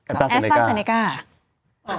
อัลตั้นซาเนกาอัลตั้นซาเนกา